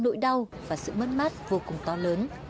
nỗi đau và sự mất mát vô cùng to lớn